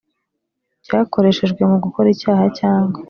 Cyakoreshejwe mu gukora icyaha cyangwa